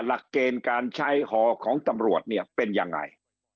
หลักเกณฑ์การใช้หอของตำรวจเนี่ยเป็นยังไง